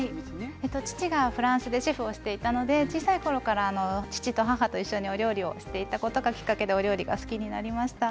父がフランスでシェフをしていたので小さいころから、父と母と料理をしていたことがきっかけでお料理が好きになりました。